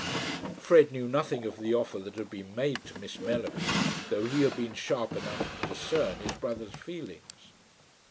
Fred knew nothing of the offer that had been made to Miss Mellerby, though he had been sharp enough to discern his brother's feelings.